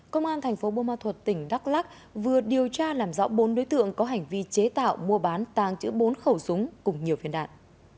công an thành phố bô ma thuật tỉnh đắk lắc vừa điều tra làm rõ bốn đối tượng có hành vi chế tạo mua bán tàng chữ bốn khẩu súng cùng nhiều phiên đạn